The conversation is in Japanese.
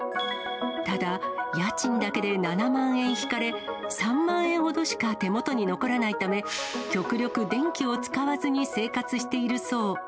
ただ、家賃だけで７万円引かれ、３万円ほどしか手元に残らないため、極力電気を使わずに生活しているそう。